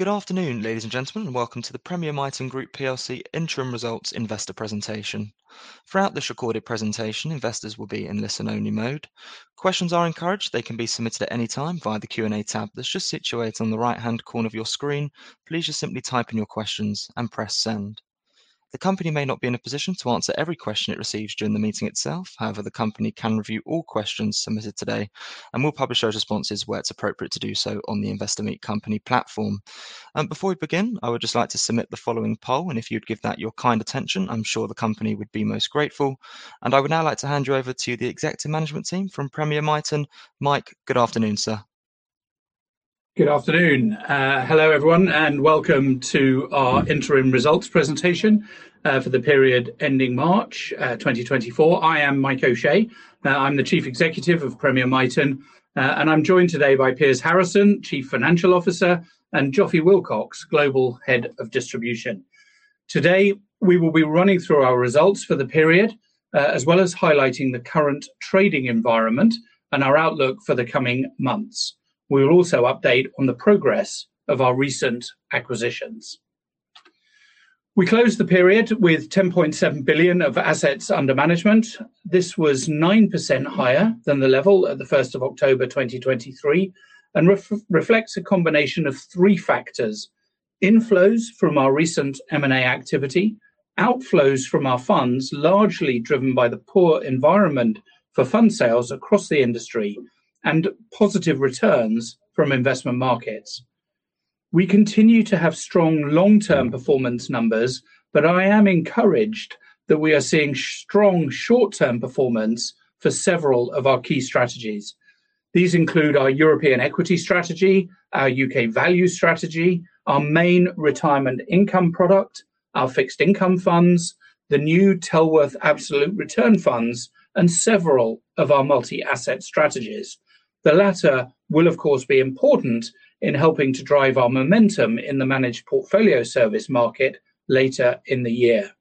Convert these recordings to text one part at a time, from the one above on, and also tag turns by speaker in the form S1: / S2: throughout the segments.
S1: Good afternoon, ladies and gentlemen. Welcome to the Premier Miton Group PLC Interim Results Investor Presentation. Throughout this recorded presentation, investors will be in listen only mode. Questions are encouraged. They can be submitted at any time via the Q&A tab that's just situated on the right-hand corner of your screen. Please just simply type in your questions and press Send. The company may not be in a position to answer every question it receives during the meeting itself. However, the company can review all questions submitted today and will publish those responses where it's appropriate to do so on the Investor Meet Company platform. Before we begin, I would just like to submit the following poll, and if you'd give that your kind attention, I'm sure the company would be most grateful. I would now like to hand you over to the Executive Management Team from Premier Miton. Mike, good afternoon, sir.
S2: Good afternoon. Hello everyone, and welcome to our interim results presentation for the period ending March 2024. I am Mike O'Shea. I'm the Chief Executive of Premier Miton, and I'm joined today by Piers Harrison, Chief Financial Officer, and Joffy Willcocks, Global Head of Distribution. Today, we will be running through our results for the period, as well as highlighting the current trading environment and our outlook for the coming months. We'll also update on the progress of our recent acquisitions. We closed the period with 10.7 billion of assets under management. This was 9% higher than the level at the 1st of October 2023 and reflects a combination of three factors, inflows from our recent M&A activity, outflows from our funds, largely driven by the poor environment for fund sales across the industry, and positive returns from investment markets. We continue to have strong long-term performance numbers, but I am encouraged that we are seeing strong short-term performance for several of our key strategies. These include our European equity strategy, our U.K. value strategy, our main retirement income product, our fixed income funds, the new Tellworth absolute return funds, and several of our multi-asset strategies. The latter will, of course, be important in helping to drive our momentum in the managed portfolio service market later in the year.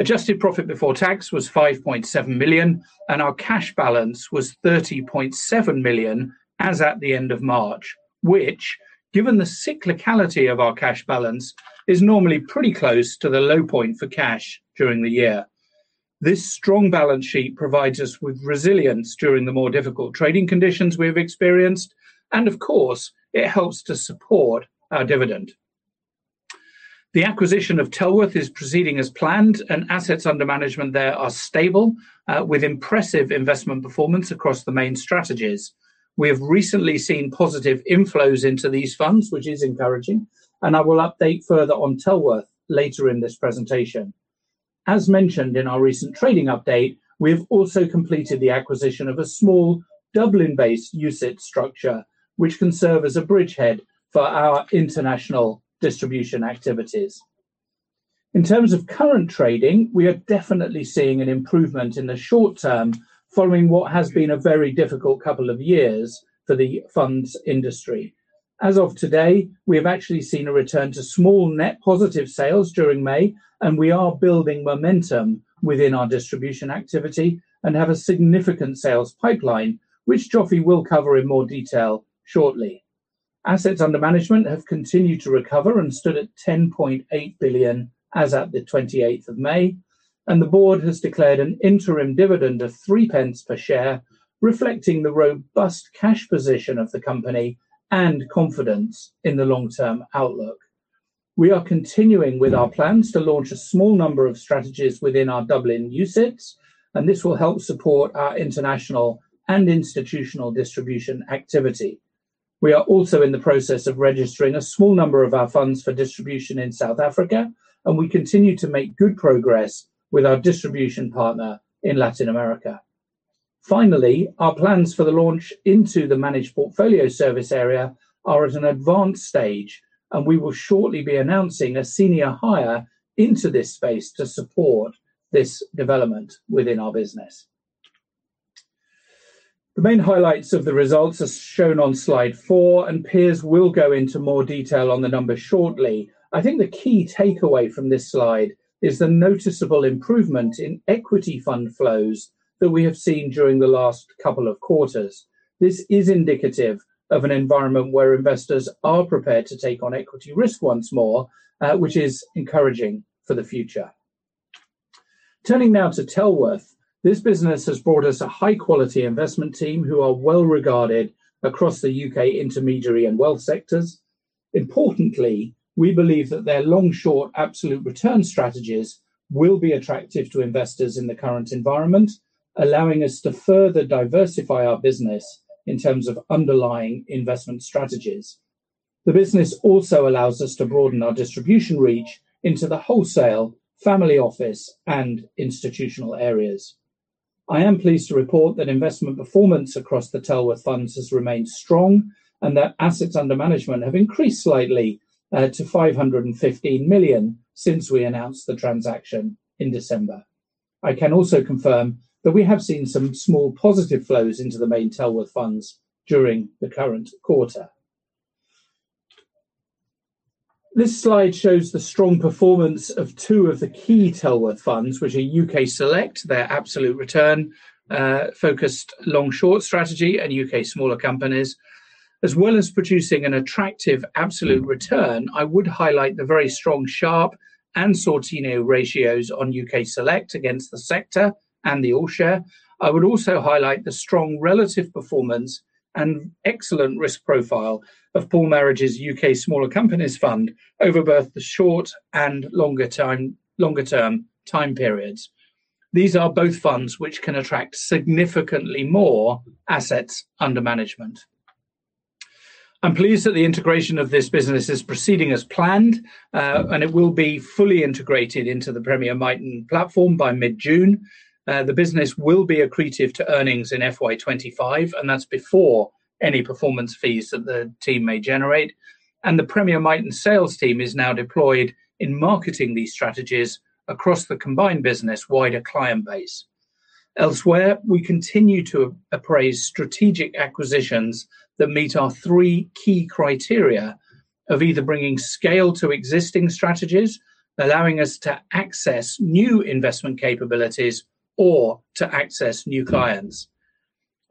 S2: Adjusted profit before tax was 5.7 million, and our cash balance was 30.7 million as at the end of March, which, given the cyclicality of our cash balance, is normally pretty close to the low point for cash during the year. This strong balance sheet provides us with resilience during the more difficult trading conditions we have experienced, and of course, it helps to support our dividend. The acquisition of Tellworth is proceeding as planned, and assets under management there are stable, with impressive investment performance across the main strategies. We have recently seen positive inflows into these funds, which is encouraging, and I will update further on Tellworth later in this presentation. As mentioned in our recent trading update, we have also completed the acquisition of a small Dublin-based UCITS structure, which can serve as a bridgehead for our international distribution activities. In terms of current trading, we are definitely seeing an improvement in the short term following what has been a very difficult couple of years for the funds industry. As of today, we have actually seen a return to small net positive sales during May, and we are building momentum within our distribution activity and have a significant sales pipeline, which Joffy will cover in more detail shortly. Assets under management have continued to recover and stood at 10.8 billion as at the 28th of May. The board has declared an interim dividend of 0.03 per share, reflecting the robust cash position of the company and confidence in the long-term outlook. We are continuing with our plans to launch a small number of strategies within our Dublin UCITS, and this will help support our international and institutional distribution activity. We are also in the process of registering a small number of our funds for distribution in South Africa, and we continue to make good progress with our distribution partner in Latin America. Finally, our plans for the launch into the managed portfolio service area are at an advanced stage, and we will shortly be announcing a senior hire into this space to support this development within our business. The main highlights of the results are shown on slide four, and Piers will go into more detail on the numbers shortly. I think the key takeaway from this slide is the noticeable improvement in equity fund flows that we have seen during the last couple of quarters. This is indicative of an environment where investors are prepared to take on equity risk once more, which is encouraging for the future. Turning now to Tellworth, this business has brought us a high-quality investment team who are well-regarded across the U.K. intermediary and wealth sectors. Importantly, we believe that their long/short absolute return strategies will be attractive to investors in the current environment, allowing us to further diversify our business in terms of underlying investment strategies. The business also allows us to broaden our distribution reach into the wholesale family office and institutional areas. I am pleased to report that investment performance across the Tellworth funds has remained strong and that assets under management have increased slightly to 515 million since we announced the transaction in December. I can also confirm that we have seen some small positive flows into the main Tellworth funds during the current quarter. This slide shows the strong performance of two of the key Tellworth funds, which are U.K. Select, their absolute return focused long-short strategy and U.K. Smaller Companies. As well as producing an attractive absolute return, I would highlight the very strong Sharpe and Sortino ratios on U.K. Select against the sector and the all-share. I would also highlight the strong relative performance and excellent risk profile of Paul Marriage's U.K. Smaller Companies Fund over both the short and longer-term time periods. These are both funds which can attract significantly more assets under management. I'm pleased that the integration of this business is proceeding as planned, and it will be fully integrated into the Premier Miton platform by mid-June. The business will be accretive to earnings in FY 2025, and that's before any performance fees that the team may generate. The Premier Miton sales team is now deployed in marketing these strategies across the combined business wider client base. Elsewhere, we continue to appraise strategic acquisitions that meet our three key criteria of either bringing scale to existing strategies, allowing us to access new investment capabilities or to access new clients.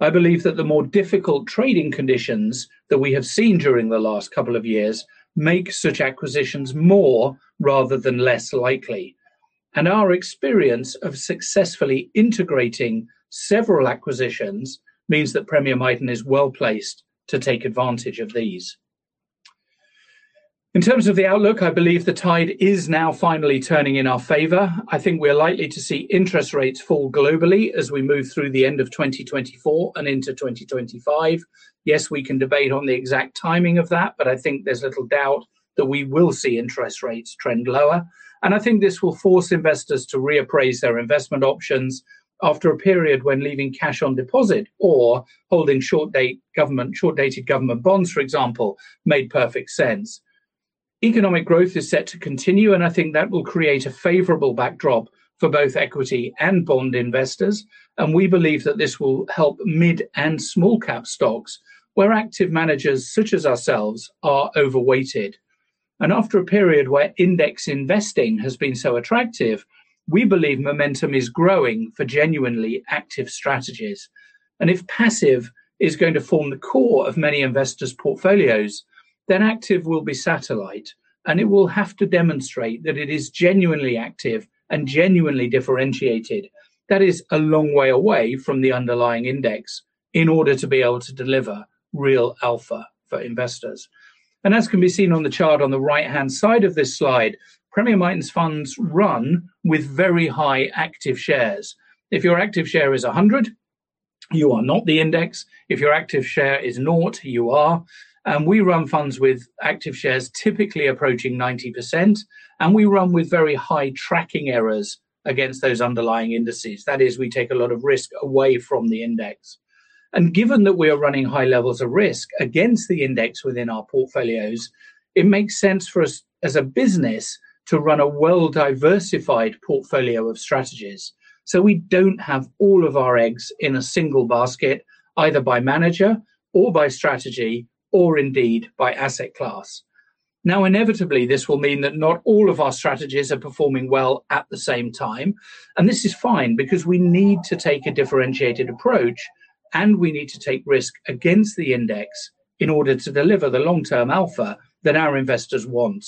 S2: I believe that the more difficult trading conditions that we have seen during the last couple of years make such acquisitions more rather than less likely. Our experience of successfully integrating several acquisitions means that Premier Miton is well-placed to take advantage of these. In terms of the outlook, I believe the tide is now finally turning in our favor. I think we're likely to see interest rates fall globally as we move through the end of 2024 and into 2025. Yes, we can debate on the exact timing of that, but I think there's little doubt that we will see interest rates trend lower. I think this will force investors to reappraise their investment options after a period when leaving cash on deposit or holding short date government, short-dated government bonds, for example, made perfect sense. Economic growth is set to continue, and I think that will create a favorable backdrop for both equity and bond investors, and we believe that this will help mid and small-cap stocks, where active managers such as ourselves are overweighted. After a period where index investing has been so attractive, we believe momentum is growing for genuinely active strategies. If passive is going to form the core of many investors' portfolios, then active will be satellite, and it will have to demonstrate that it is genuinely active and genuinely differentiated. That is a long way away from the underlying index in order to be able to deliver real alpha for investors. As can be seen on the chart on the right-hand side of this slide, Premier Miton's funds run with very high active shares. If your active share is 100, you are not the index. If your active share is 0, you are. We run funds with active shares typically approaching 90%, and we run with very high tracking errors against those underlying indices. That is, we take a lot of risk away from the index. Given that we are running high levels of risk against the index within our portfolios, it makes sense for us as a business to run a well-diversified portfolio of strategies. We don't have all of our eggs in a single basket, either by manager or by strategy or indeed by asset class. Now, inevitably, this will mean that not all of our strategies are performing well at the same time, and this is fine because we need to take a differentiated approach, and we need to take risk against the index in order to deliver the long-term alpha that our investors want.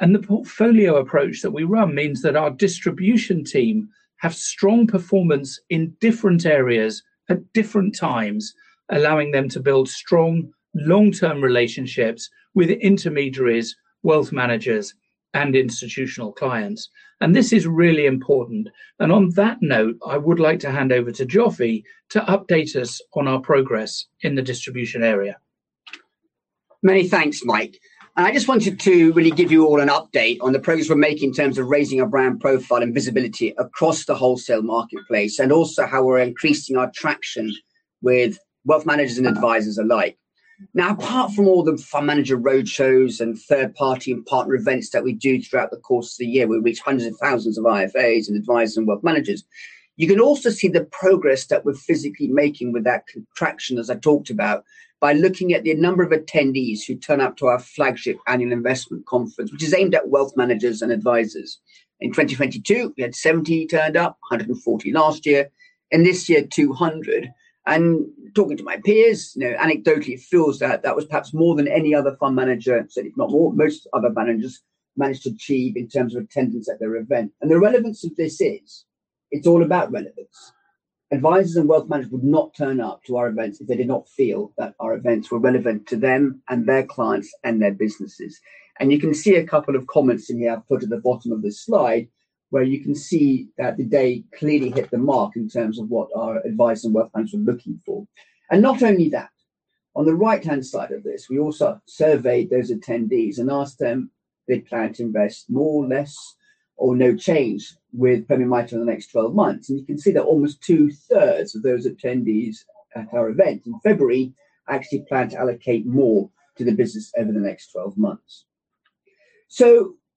S2: The portfolio approach that we run means that our distribution team have strong performance in different areas at different times, allowing them to build strong long-term relationships with intermediaries, wealth managers, and institutional clients. This is really important. On that note, I would like to hand over to Joffy to update us on our progress in the distribution area.
S3: Many thanks, Mike. I just wanted to really give you all an update on the progress we're making in terms of raising our brand profile and visibility across the wholesale marketplace and also how we're increasing our traction with wealth managers and advisors alike. Now, apart from all the fund manager roadshows and third-party and partner events that we do throughout the course of the year, we reach hundreds and thousands of IFAs and advisors and wealth managers. You can also see the progress that we're physically making with that contraction, as I talked about, by looking at the number of attendees who turn up to our flagship annual investment conference, which is aimed at wealth managers and advisors. In 2022, we had 70 turned up, 140 last year, and this year, 200. Talking to my peers, you know, anecdotally it feels that that was perhaps more than any other fund manager, certainly if not more, most other managers managed to achieve in terms of attendance at their event. The relevance of this is, it's all about relevance. Advisors and wealth managers would not turn up to our events if they did not feel that our events were relevant to them and their clients and their businesses. You can see a couple of comments in the footer at the bottom of this slide, where you can see that the day clearly hit the mark in terms of what our advisors and wealth managers were looking for. Not only that, on the right-hand side of this, we also surveyed those attendees and asked them if they plan to invest more, less, or no change with Premier Miton in the next 12 months. You can see that almost two-thirds of those attendees at our event in February actually plan to allocate more to the business over the next 12 months.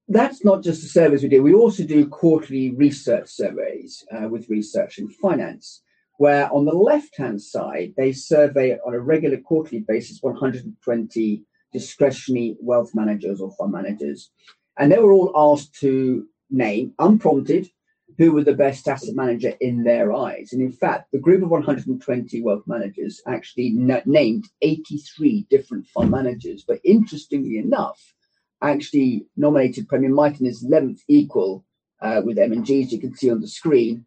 S3: That's not just the surveys we do. We also do quarterly research surveys with Research in Finance, where on the left-hand side, they survey on a regular quarterly basis 120 discretionary wealth managers or fund managers. They were all asked to name unprompted who were the best asset manager in their eyes. In fact, the group of 120 wealth managers actually named 83 different fund managers. Interestingly enough, actually nominated Premier Miton as eleventh equal with M&G, as you can see on the screen.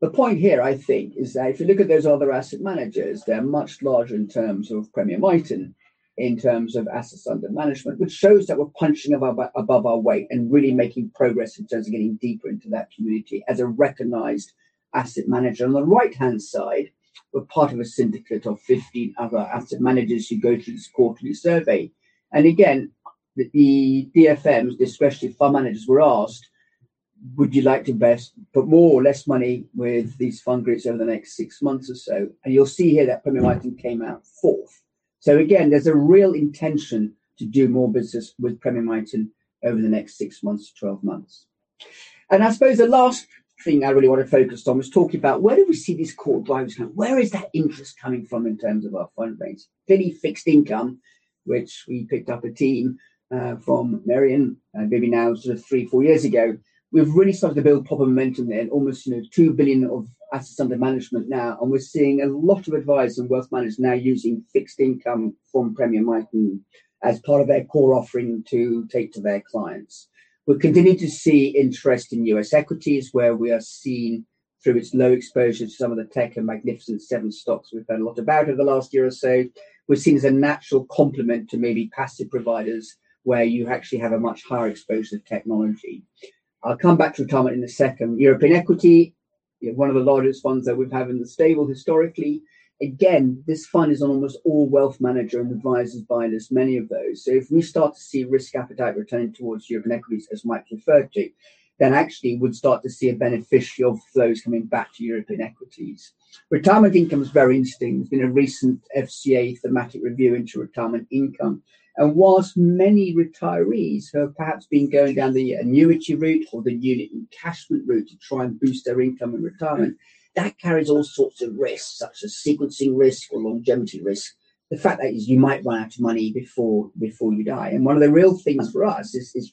S3: The point here, I think, is that if you look at those other asset managers, they're much larger in terms of Premier Miton in terms of assets under management, which shows that we're punching above our weight and really making progress in terms of getting deeper into that community as a recognized asset manager. On the right-hand side, we're part of a syndicate of 15 other asset managers who go through this quarterly survey. Again, the DFMs, discretionary fund managers were asked, "Would you like to invest, put more or less money with these fund groups over the next six months or so?" You'll see here that Premier Miton came out fourth. Again, there's a real intention to do more business with Premier Miton over the next 6 months-12 months. I suppose the last thing I really want to focus on was talking about where do we see this core growth. Now where is that interest coming from in terms of our fund base? Clearly fixed income, which we picked up a team from Mirabaud maybe now sort of three or four years ago. We've really started to build proper momentum there and almost, you know, 2 billion of assets under management now. We're seeing a lot of advisors and wealth managers now using fixed income from Premier Miton as part of their core offering to take to their clients. We'll continue to see interest in U.S. equities, where we are seen through its low exposure to some of the tech and Magnificent Seven stocks we've heard a lot about over the last year or so. We're seen as a natural complement to maybe passive providers where you actually have a much higher exposure to technology. I'll come back to retirement in a second. European equity, you know, one of the largest funds that we've had in the stable historically. Again, this fund is on almost all wealth manager and advisors' buy lists, many of those. If we start to see risk appetite returning towards European equities, as Mike referred to, then actually we'd start to see a beneficiary of flows coming back to European equities. Retirement income is very interesting. There's been a recent FCA thematic review into retirement income. While many retirees who have perhaps been going down the annuity route or the unit encashment route to try and boost their income in retirement, that carries all sorts of risks, such as sequencing risk or longevity risk. The fact that is you might run out of money before you die. One of the real things for us is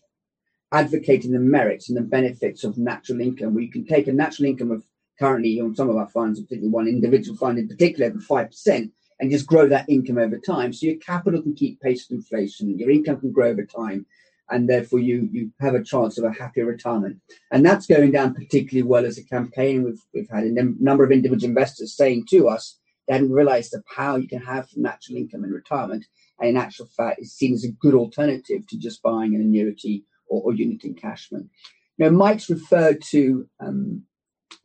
S3: advocating the merits and the benefits of natural income, where you can take a natural income of currently on some of our funds, particularly one individual fund in particular, over 5% and just grow that income over time. Your capital can keep pace with inflation, your income can grow over time, and therefore you have a chance of a happier retirement. That's going down particularly well as a campaign. We've had a number of individual investors saying to us, they hadn't realized of how you can have natural income in retirement. In actual fact, it's seen as a good alternative to just buying an annuity or unit encashment. Now, Mike's referred to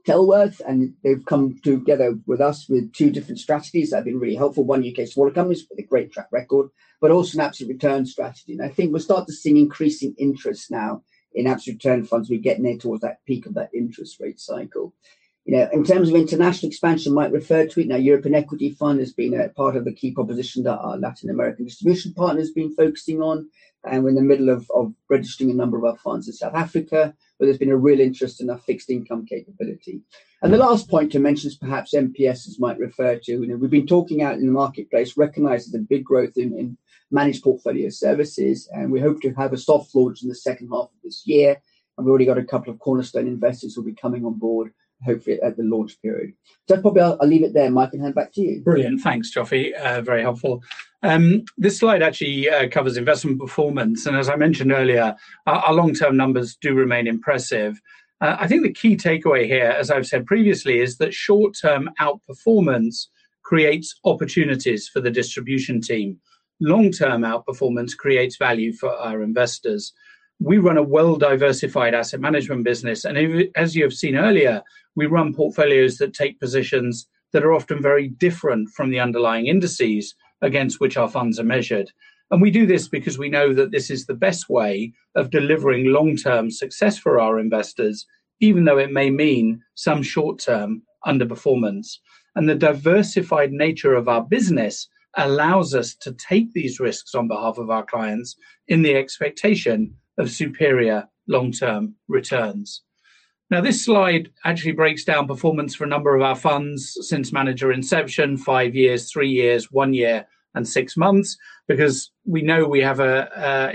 S3: Tellworth, and they've come together with us with two different strategies that have been really helpful. One, U.K. Smaller Companies with a great track record, but also an absolute return strategy. I think we'll start to see an increasing interest now in absolute return funds. We're getting there towards that peak of that interest rate cycle. You know, in terms of international expansion, Mike referred to it. Now, [European] Equity Fund has been a part of the key proposition that our Latin American distribution partner's been focusing on, and we're in the middle of registering a number of our funds in South Africa, where there's been a real interest in our fixed income capability. The last point to mention is perhaps MPS, as Mike referred to. You know, we've been talking out in the marketplace, recognizing the big growth in managed portfolio services, and we hope to have a soft launch in the second half of this year. We've already got a couple of cornerstone investors who'll be coming on board, hopefully at the launch period. I'll probably leave it there, Mike, and hand back to you.
S2: Brilliant. Thanks, Joffy. Very helpful. This slide actually covers investment performance. As I mentioned earlier, our long-term numbers do remain impressive. I think the key takeaway here, as I've said previously, is that short-term outperformance creates opportunities for the distribution team. Long-term outperformance creates value for our investors. We run a well-diversified asset management business, and as you have seen earlier, we run portfolios that take positions that are often very different from the underlying indices against which our funds are measured. We do this because we know that this is the best way of delivering long-term success for our investors, even though it may mean some short-term underperformance. The diversified nature of our business allows us to take these risks on behalf of our clients in the expectation of superior long-term returns. Now, this slide actually breaks down performance for a number of our funds since manager inception, five years, three years, one year, and six months, because we know we have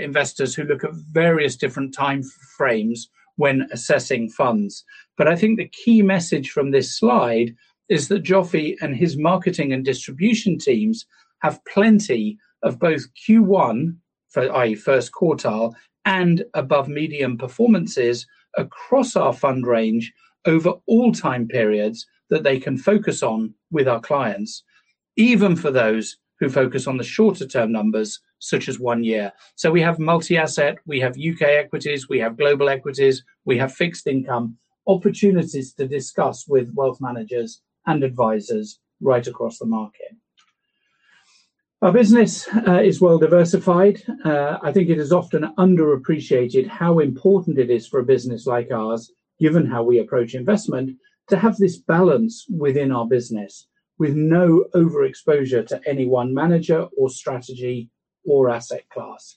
S2: investors who look at various different timeframes when assessing funds. I think the key message from this slide is that Joffy and his marketing and distribution teams have plenty of both Q1, for, i.e., first quarter, and above median performances across our fund range over all time periods that they can focus on with our clients, even for those who focus on the shorter term numbers such as one year. We have multi-asset, we have U.K. equities, we have global equities, we have fixed income, opportunities to discuss with wealth managers and advisors right across the market. Our business is well diversified. I think it is often underappreciated how important it is for a business like ours, given how we approach investment, to have this balance within our business with no overexposure to any one manager or strategy or asset class.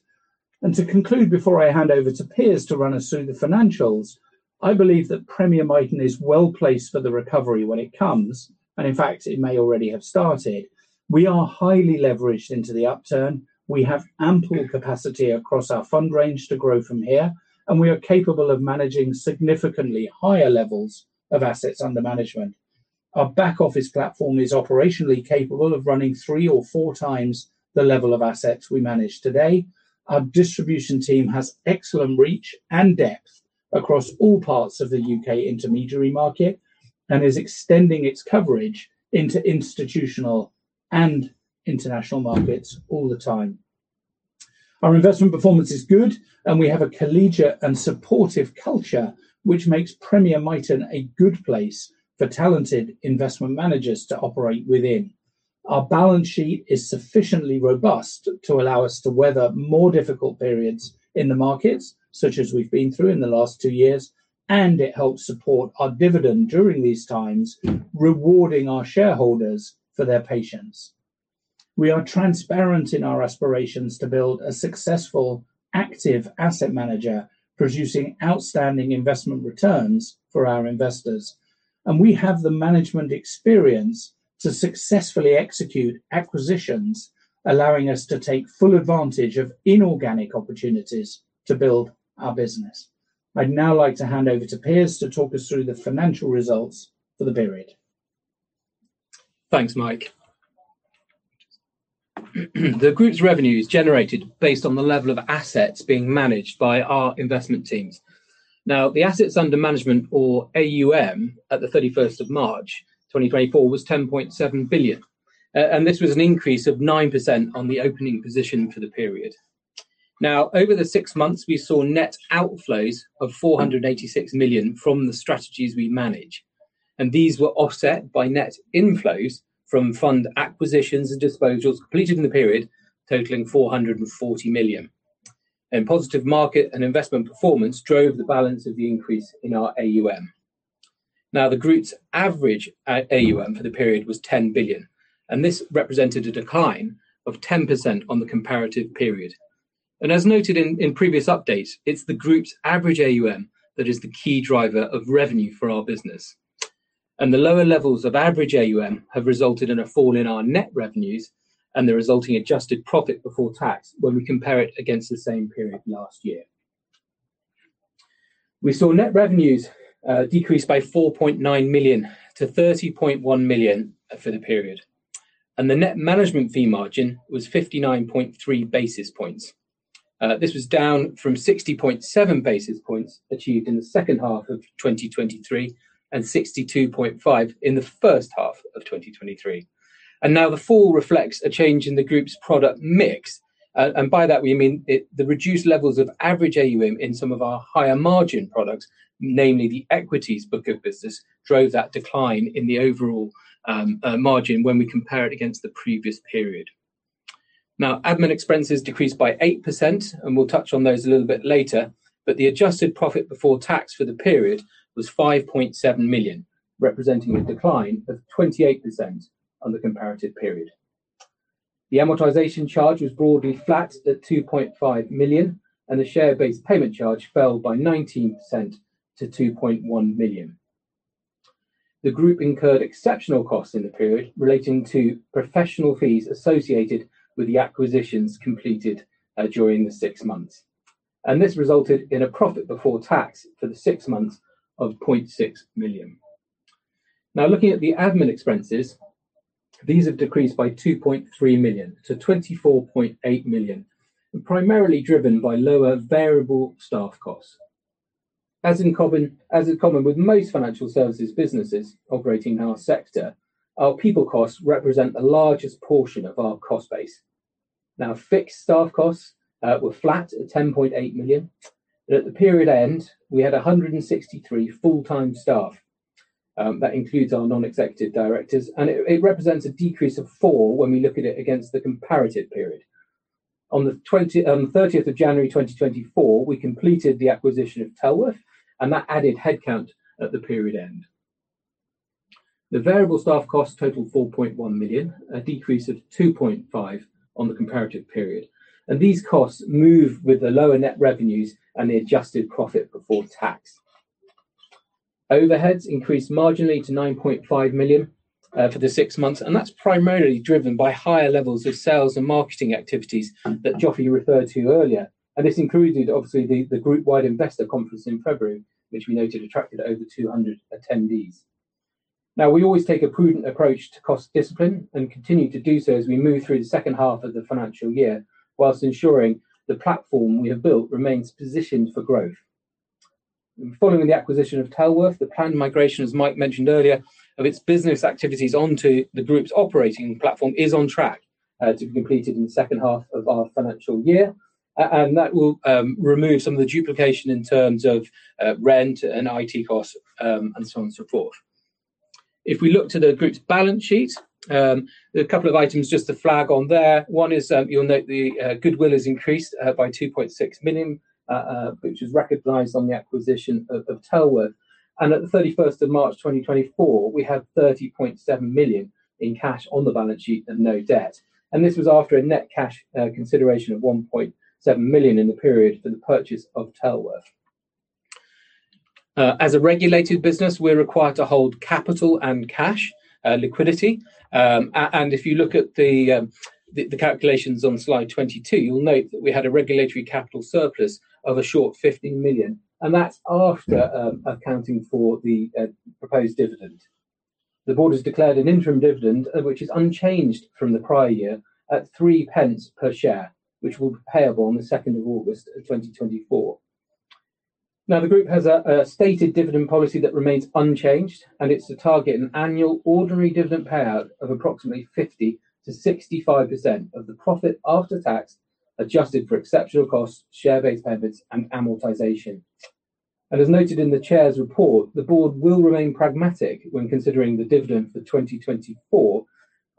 S2: To conclude before I hand over to Piers to run us through the financials, I believe that Premier Miton is well-placed for the recovery when it comes, and in fact, it may already have started. We are highly leveraged into the upturn. We have ample capacity across our fund range to grow from here, and we are capable of managing significantly higher levels of assets under management. Our back office platform is operationally capable of running three or four times the level of assets we manage today. Our distribution team has excellent reach and depth across all parts of the U.K. intermediary market and is extending its coverage into institutional and international markets all the time. Our investment performance is good and we have a collegiate and supportive culture which makes Premier Miton a good place for talented investment managers to operate within. Our balance sheet is sufficiently robust to allow us to weather more difficult periods in the markets, such as we've been through in the last two years, and it helps support our dividend during these times, rewarding our shareholders for their patience. We are transparent in our aspirations to build a successful active asset manager producing outstanding investment returns for our investors. We have the management experience to successfully execute acquisitions, allowing us to take full advantage of inorganic opportunities to build our business. I'd now like to hand over to Piers to talk us through the financial results for the period.
S4: Thanks, Mike. The group's revenue is generated based on the level of assets being managed by our investment teams. Now, the assets under management or AUM at the 31st March 2024 was 10.7 billion. This was an increase of 9% on the opening position for the period. Now, over the six months, we saw net outflows of 486 million from the strategies we manage. These were offset by net inflows from fund acquisitions and disposals completed in the period, totaling 440 million. Positive market and investment performance drove the balance of the increase in our AUM. Now, the group's average AUM for the period was 10 billion, and this represented a decline of 10% on the comparative period. As noted in previous updates, it's the group's average AUM that is the key driver of revenue for our business. The lower levels of average AUM have resulted in a fall in our net revenues and the resulting adjusted profit before tax when we compare it against the same period last year. We saw net revenues decrease by 4.9 million to 30.1 million for the period. The net management fee margin was 59.3 basis points. This was down from 60.7 basis points achieved in the second half of 2023 and 62.5 in the first half of 2023. Now the fall reflects a change in the group's product mix, by that we mean it. The reduced levels of average AUM in some of our higher margin products, namely the equities book of business, drove that decline in the overall margin when we compare it against the previous period. Now, admin expenses decreased by 8%, and we'll touch on those a little bit later. The adjusted profit before tax for the period was 5.7 million, representing a decline of 28% on the comparative period. The amortization charge was broadly flat at 2.5 million, and the share-based payment charge fell by 19% to 2.1 million. The group incurred exceptional costs in the period relating to professional fees associated with the acquisitions completed during the six months, and this resulted in a profit before tax for the six months of 0.6 million. Now looking at the admin expenses, these have decreased by 2.3 million to 24.8 million, primarily driven by lower variable staff costs. As is common with most financial services businesses operating in our sector, our people costs represent the largest portion of our cost base. Now, fixed staff costs were flat at 10.8 million. At the period end, we had 163 full-time staff. That includes our non-executive directors, and it represents a decrease of four when we look at it against the comparative period. On the 30th of January 2024, we completed the acquisition of Tellworth, and that added headcount at the period end. The variable staff costs totaled 4.1 million, a decrease of 2.5 million on the comparative period. These costs move with the lower net revenues and the adjusted profit before tax. Overheads increased marginally to 9.5 million for the six months, and that's primarily driven by higher levels of sales and marketing activities that Joffy referred to earlier. This included obviously the group-wide investor conference in February, which we noted attracted over 200 attendees. Now we always take a prudent approach to cost discipline and continue to do so as we move through the second half of the financial year, while ensuring the platform we have built remains positioned for growth. Following the acquisition of Tellworth, the planned migration, as Mike mentioned earlier, of its business activities onto the group's operating platform is on track to be completed in the second half of our financial year. That will remove some of the duplication in terms of rent and IT costs, and so on and so forth. If we look to the group's balance sheet, there are a couple of items just to flag on there. One is, you'll note the goodwill is increased by 2.6 million, which is recognized on the acquisition of Tellworth. At the 31st March 2024, we have 30.7 million in cash on the balance sheet and no debt. This was after a net cash consideration of 1.7 million in the period for the purchase of Tellworth. As a regulated business, we're required to hold capital and cash liquidity. And if you look at the calculations on slide 22, you'll note that we had a regulatory capital surplus of a short 15 million, and that's after accounting for the proposed dividend. The board has declared an interim dividend, which is unchanged from the prior year at 0.03 per share, which will be payable on the 2nd of August 2024. Now, the group has a stated dividend policy that remains unchanged, and it's to target an annual ordinary dividend payout of approximately 50%-65% of the profit after tax, adjusted for exceptional costs, share-based payments, and amortization. As noted in the chair's report, the board will remain pragmatic when considering the dividend for 2024,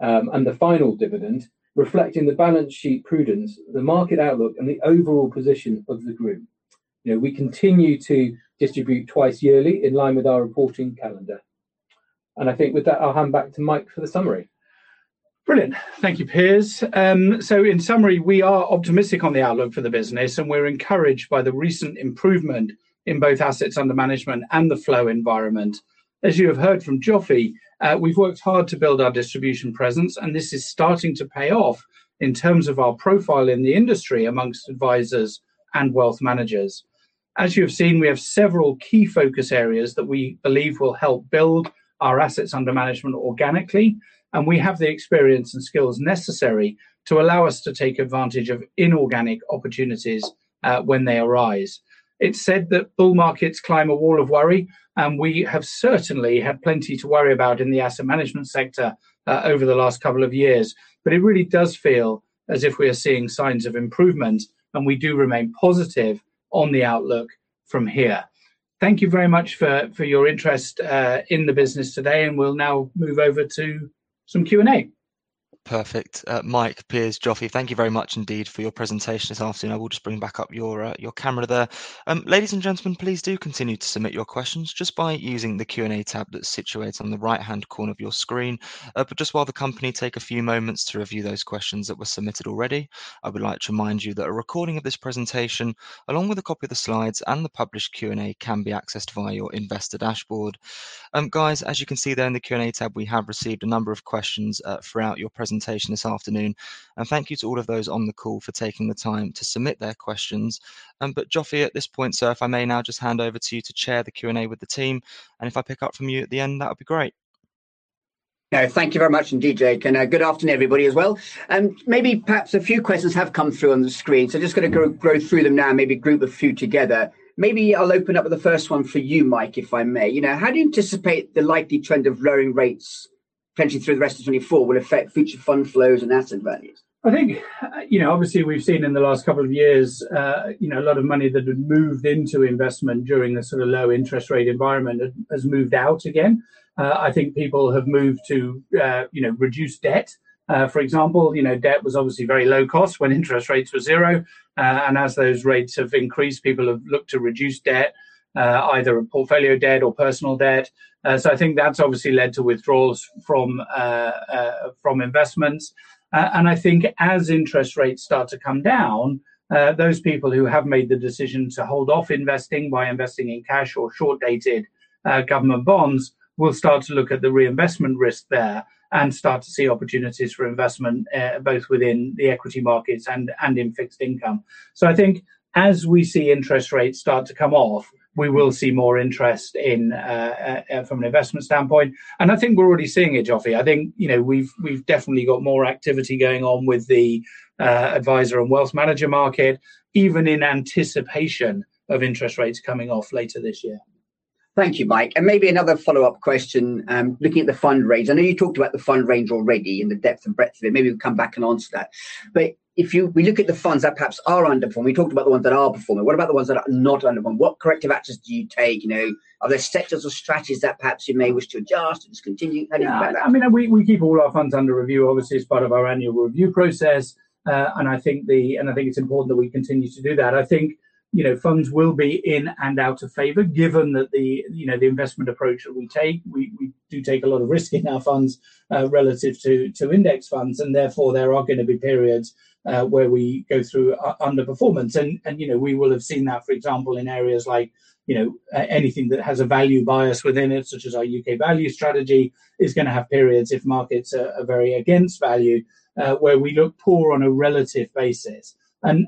S4: and the final dividend, reflecting the balance sheet prudence, the market outlook, and the overall position of the group. You know, we continue to distribute twice yearly in line with our reporting calendar. I think with that, I'll hand back to Mike for the summary.
S2: Brilliant. Thank you, Piers. In summary, we are optimistic on the outlook for the business, and we're encouraged by the recent improvement in both assets under management and the flow environment. As you have heard from Joffy, we've worked hard to build our distribution presence, and this is starting to pay off in terms of our profile in the industry among advisors and wealth managers. As you have seen, we have several key focus areas that we believe will help build our assets under management organically, and we have the experience and skills necessary to allow us to take advantage of inorganic opportunities, when they arise. It's said that bull markets climb a wall of worry, and we have certainly had plenty to worry about in the asset management sector, over the last couple of years. It really does feel as if we are seeing signs of improvement, and we do remain positive on the outlook from here. Thank you very much for your interest in the business today, and we'll now move over to some Q&A.
S1: Perfect. Mike, Piers, Joffy, thank you very much indeed for your presentation this afternoon. I will just bring back up your camera there. Ladies and gentlemen, please do continue to submit your questions just by using the Q&A tab that's situated on the right-hand corner of your screen. Just while the company take a few moments to review those questions that were submitted already, I would like to remind you that a recording of this presentation, along with a copy of the slides and the published Q&A, can be accessed via your investor dashboard. Guys, as you can see there in the Q&A tab, we have received a number of questions, throughout your presentation this afternoon, and thank you to all of those on the call for taking the time to submit their questions. Joffy, at this point, sir, if I may now just hand over to you to chair the Q&A with the team, and if I pick up from you at the end, that would be great.
S3: Yeah. Thank you very much indeed, Jake, and, good afternoon, everybody as well. Maybe perhaps a few questions have come through on the screen, so just gonna go through them now and maybe group a few together. Maybe I'll open up with the first one for you, Mike, if I may. You know, how do you anticipate the likely trend of lowering rates potentially through the rest of 2024 will affect future fund flows and asset values?
S2: I think, you know, obviously, we've seen in the last couple of years, a lot of money that had moved into investment during the sort of low interest rate environment has moved out again. I think people have moved to, you know, reduce debt. For example, you know, debt was obviously very low cost when interest rates were zero. As those rates have increased, people have looked to reduce debt, either portfolio debt or personal debt. I think that's obviously led to withdrawals from investments. I think as interest rates start to come down, those people who have made the decision to hold off investing by investing in cash or short-dated government bonds will start to look at the reinvestment risk there and start to see opportunities for investment, both within the equity markets and in fixed income. I think as we see interest rates start to come off, we will see more interest in from an investment standpoint, and I think we're already seeing it, Joffy. I think, you know, we've definitely got more activity going on with the advisor and wealth manager market, even in anticipation of interest rates coming off later this year.
S3: Thank you, Mike. Maybe another follow-up question, looking at the fund range. I know you talked about the fund range already and the depth and breadth of it. Maybe we'll come back and answer that. We look at the funds that perhaps are underperforming, we talked about the ones that are performing. What about the ones that are underperforming? What corrective actions do you take? You know, are there sectors or strategies that perhaps you may wish to adjust, discontinue? Any thoughts on that?
S2: Yeah. I mean, we keep all our funds under review, obviously, as part of our annual review process. I think it's important that we continue to do that. I think, you know, funds will be in and out of favor given that the, you know, the investment approach that we take. We do take a lot of risk in our funds, relative to index funds, and therefore, there are gonna be periods, where we go through underperformance. You know, we will have seen that, for example, in areas like, you know, anything that has a value bias within it, such as our U.K. value strategy, is gonna have periods if markets are very against value, where we look poor on a relative basis.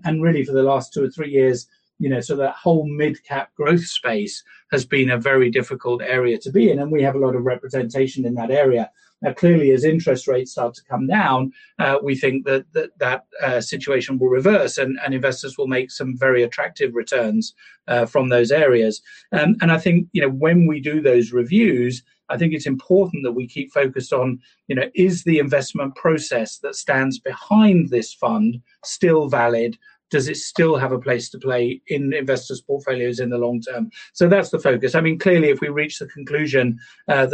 S2: Really for the last two or three years, you know, so that whole mid-cap growth space has been a very difficult area to be in, and we have a lot of representation in that area. Now, clearly, as interest rates start to come down, we think that situation will reverse and investors will make some very attractive returns from those areas. I think, you know, when we do those reviews, I think it's important that we keep focused on, you know, is the investment process that stands behind this fund still valid? Does it still have a place to play in investors' portfolios in the long term? That's the focus. I mean, clearly, if we reach the conclusion that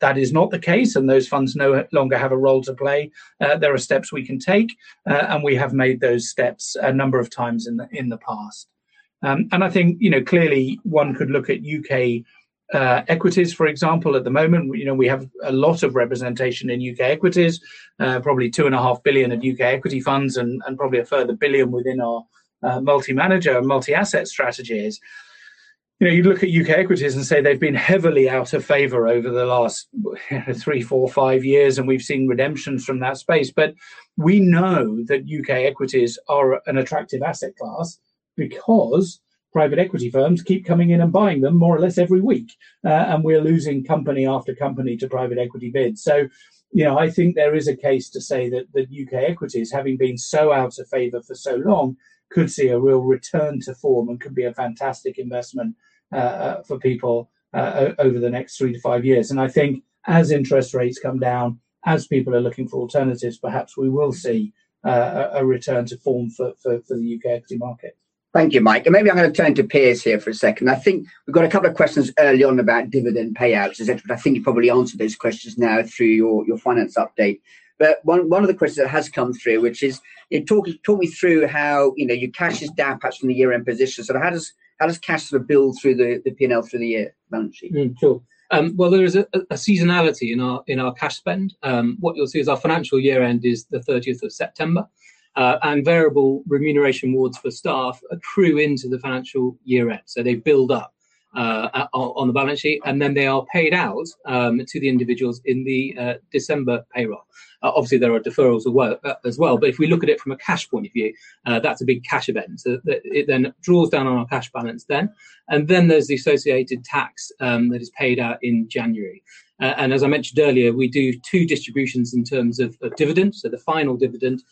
S2: that is not the case and those funds no longer have a role to play, there are steps we can take, and we have made those steps a number of times in the past. I think, you know, clearly one could look at U.K. equities, for example, at the moment, you know, we have a lot of representation in U.K. equities, probably 2.5 billion of U.K. equity funds and probably a further 1 billion within our multi-manager, multi-asset strategies. You know, you look at U.K. equities and say they've been heavily out of favor over the last three, four, five years, and we've seen redemptions from that space. We know that U.K. equities are an attractive asset class because private equity firms keep coming in and buying them more or less every week. We're losing company after company to private equity bids. You know, I think there is a case to say that U.K. equities, having been so out of favor for so long, could see a real return to form and could be a fantastic investment for people over the next 3-5 years. I think as interest rates come down, as people are looking for alternatives, perhaps we will see a return to form for the U.K. equity market.
S3: Thank you, Mike. Maybe I'm gonna turn to Piers here for a second. I think we've got a couple of questions early on about dividend payouts. I think you've probably answered those questions now through your finance update. One of the questions that has come through, which is, you know, talk me through how, you know, your cash is down perhaps from the year-end position. How does cash sort of build through the P&L through the year balance sheet?
S4: Sure. Well, there is a seasonality in our cash spend. What you'll see is our financial year end is the 30th of September. Variable remuneration awards for staff accrue into the financial year end, so they build up on the balance sheet, and then they are paid out to the individuals in the December payroll. Obviously there are deferrals of work as well. If we look at it from a cash point of view, that's a big cash event. It then draws down on our cash balance, and then there's the associated tax that is paid out in January. As I mentioned earlier, we do two distributions in terms of dividends. The final dividend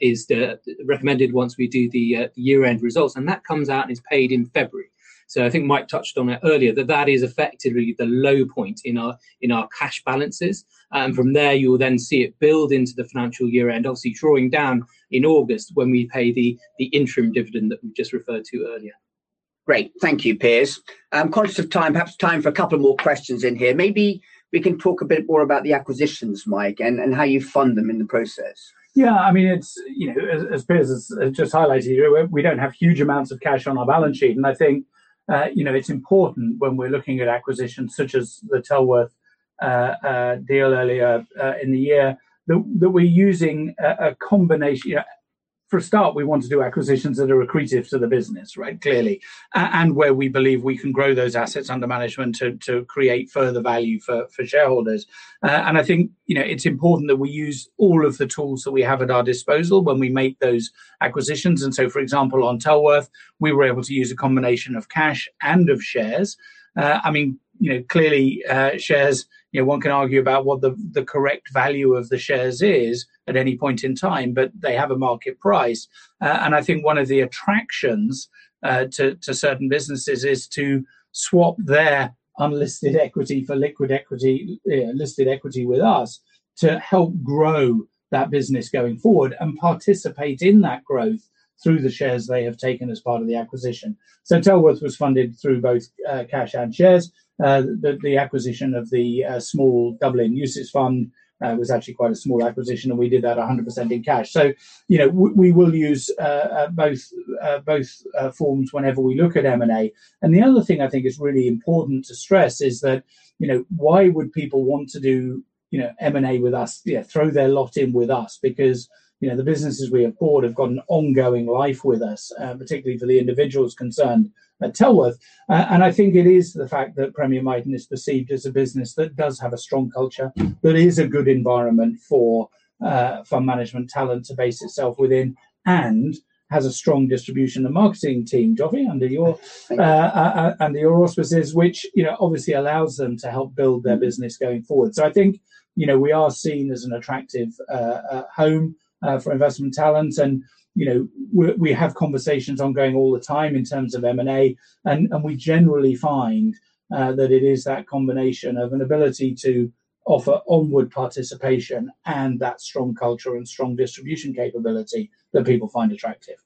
S4: is the recommended once we do the year-end results, and that comes out and is paid in February. I think Mike touched on it earlier that is effectively the low point in our cash balances. From there you'll then see it build into the financial year end, obviously drawing down in August when we pay the interim dividend that we've just referred to earlier.
S3: Great. Thank you, Piers. Conscious of time, perhaps time for a couple more questions in here. Maybe we can talk a bit more about the acquisitions, Mike, and how you fund them in the process.
S2: Yeah, I mean, it's, you know, as Piers has just highlighted here, we don't have huge amounts of cash on our balance sheet, and I think, you know, it's important when we're looking at acquisitions such as the Tellworth deal earlier in the year, that we're using a combination. For a start, we want to do acquisitions that are accretive to the business, right? Clearly, and where we believe we can grow those assets under management to create further value for shareholders. I think, you know, it's important that we use all of the tools that we have at our disposal when we make those acquisitions. For example, on Tellworth, we were able to use a combination of cash and of shares. I mean, you know, clearly, shares, you know, one can argue about what the correct value of the shares is at any point in time, but they have a market price. I think one of the attractions to certain businesses is to swap their unlisted equity for liquid equity, listed equity with us to help grow that business going forward and participate in that growth through the shares they have taken as part of the acquisition. Tellworth was funded through both cash and shares. The acquisition of the small Dublin UCITS fund was actually quite a small acquisition, and we did that 100% in cash. You know, we will use both forms whenever we look at M&A. The other thing I think is really important to stress is that, you know, why would people want to do, you know, M&A with us, yeah, throw their lot in with us? Because, you know, the businesses we have bought have got an ongoing life with us, particularly for the individuals concerned at Tellworth. I think it is the fact that Premier Miton is perceived as a business that does have a strong culture, that is a good environment for fund management talent to base itself within, and has a strong distribution and marketing team, Joffy, under your-
S3: Thank you.
S2: Under your auspices, which, you know, obviously allows them to help build their business going forward. I think, you know, we are seen as an attractive home for investment talent and, you know, we have conversations ongoing all the time in terms of M&A and we generally find that it is that combination of an ability to offer onward participation and that strong culture and strong distribution capability that people find attractive.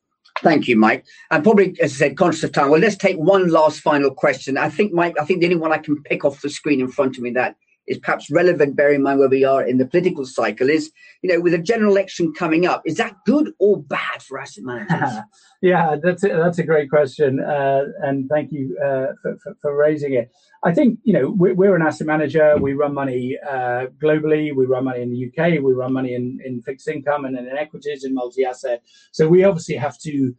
S3: Thank you, Mike. Probably, as I said, conscious of time, well, let's take one last final question. I think, Mike, the only one I can pick off the screen in front of me that is perhaps relevant, bearing in mind where we are in the political cycle is, you know, with a general election coming up, is that good or bad for asset managers?
S2: Yeah, that's a great question. Thank you for raising it. I think, you know, we're an asset manager. We run money globally. We run money in the U.K. We run money in fixed income and in equities and multi-asset. We obviously have to,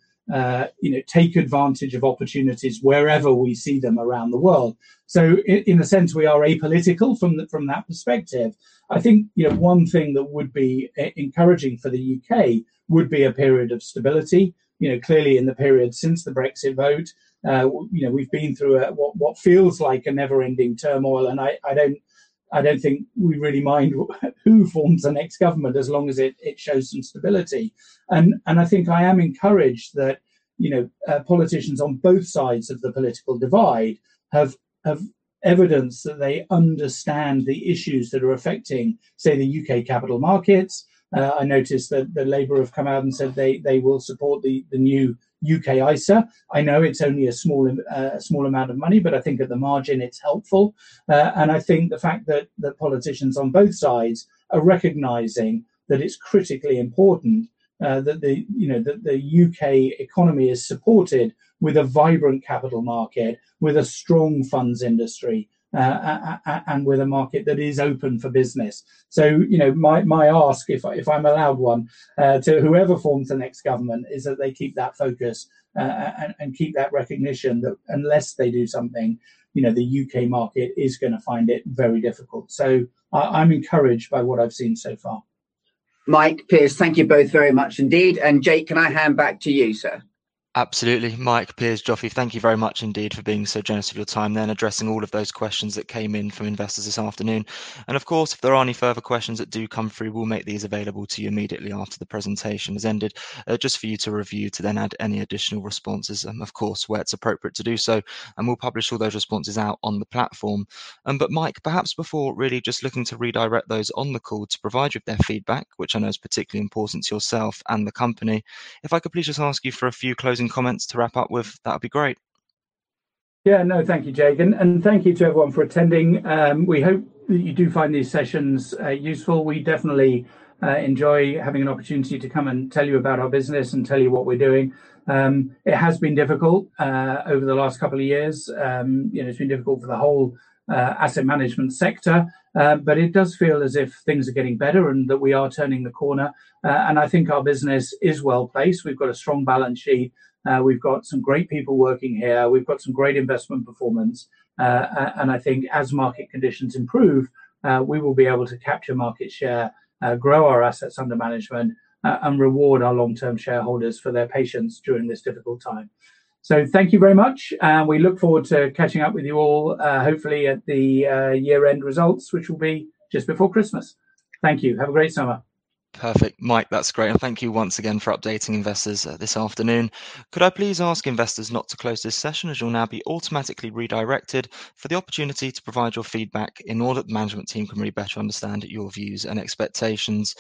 S2: you know, take advantage of opportunities wherever we see them around the world. In a sense, we are apolitical from that perspective. I think, you know, one thing that would be encouraging for the U.K. would be a period of stability. You know, clearly in the period since the Brexit vote, you know, we've been through a what feels like a never-ending turmoil and I don't think we really mind who forms the next government as long as it shows some stability. I think I am encouraged that, you know, politicians on both sides of the political divide have evidence that they understand the issues that are affecting, say, the U.K. capital markets. I noticed that the Labour have come out and said they will support the new U.K. ISA. I know it's only a small amount of money, but I think at the margin it's helpful. I think the fact that the politicians on both sides are recognizing that it's critically important that the, you know, the U.K. economy is supported with a vibrant capital market, with a strong funds industry and with a market that is open for business. You know, my ask if I'm allowed one to whoever forms the next government is that they keep that focus and keep that recognition that unless they do something, you know, the U.K. market is gonna find it very difficult. I'm encouraged by what I've seen so far.
S3: Mike, Piers, thank you both very much indeed. Jake, can I hand back to you, sir?
S1: Absolutely. Mike, Piers, Joffy, thank you very much indeed for being so generous with your time then, addressing all of those questions that came in from investors this afternoon. Of course, if there are any further questions that do come through, we'll make these available to you immediately after the presentation has ended, just for you to review to then add any additional responses, of course, where it's appropriate to do so, and we'll publish all those responses out on the platform. Mike, perhaps before really just looking to redirect those on the call to provide you with their feedback, which I know is particularly important to yourself and the company, if I could please just ask you for a few closing comments to wrap up with, that'd be great.
S2: Yeah, no, thank you, Jake. Thank you to everyone for attending. We hope that you do find these sessions useful. We definitely enjoy having an opportunity to come and tell you about our business and tell you what we're doing. It has been difficult over the last couple of years. You know, it's been difficult for the whole asset management sector. It does feel as if things are getting better and that we are turning the corner. I think our business is well-placed. We've got a strong balance sheet. We've got some great people working here. We've got some great investment performance. I think as market conditions improve, we will be able to capture market share, grow our assets under management, and reward our long-term shareholders for their patience during this difficult time. Thank you very much, and we look forward to catching up with you all, hopefully at the year-end results, which will be just before Christmas. Thank you. Have a great summer.
S1: Perfect. Mike, that's great, and thank you once again for updating investors this afternoon. Could I please ask investors not to close this session as you'll now be automatically redirected for the opportunity to provide your feedback in order that the management team can really better understand your views and expectations.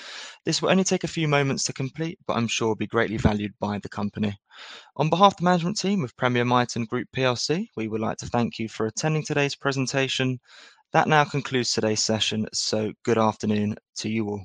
S1: This will only take a few moments to complete, but I'm sure will be greatly valued by the company. On behalf of the management team of Premier Miton Group PLC, we would like to thank you for attending today's presentation. That now concludes today's session, so good afternoon to you all.